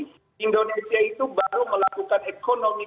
jadi indonesia itu baru melakukan ekonomi